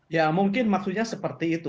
ya mungkin maksudnya seperti itu